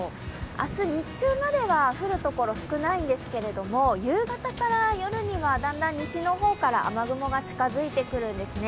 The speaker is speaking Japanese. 明日日中までは降るところが少ないんですけれども、夕方から夜にはだんだん西の方から雨雲が近づいて来るんですね。